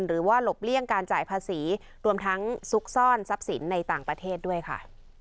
หลบเลี่ยงการจ่ายภาษีรวมทั้งซุกซ่อนทรัพย์สินในต่างประเทศด้วยค่ะ